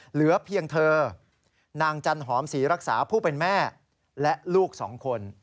เหลือเพียงเธอนางจันหอมศรีรักษาผู้เป็นแม่และลูกสองคน